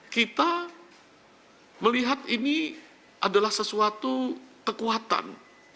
kita melihat ini adalah sesuatu kekuatan